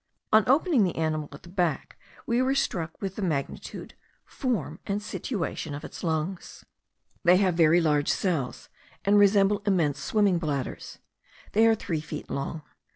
On opening the animal at the back, we were struck with the magnitude, form, and situation of its lungs. They have very large cells, and resemble immense swimming bladders. They are three feet long.